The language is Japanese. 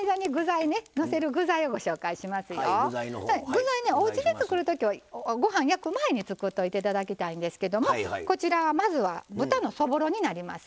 具材ねおうちで作る時はご飯焼く前に作っておいて頂きたいんですけどもこちらはまずは豚のそぼろになります。